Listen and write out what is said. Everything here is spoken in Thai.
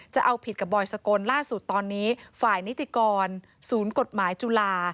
จะเอาผิดกับบอยสกลล่าสุดตอนนี้ฝ่ายนิติกรศูนย์กฎหมายจุฬา